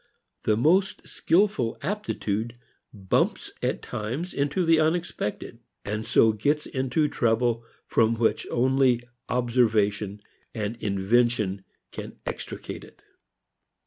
The most skilful aptitude bumps at times into the unexpected, and so gets into trouble from which only observation and invention extricate it.